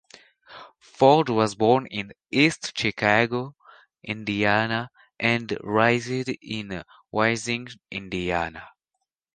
Ford was born in East Chicago, Indiana, and raised in Whiting, Indiana.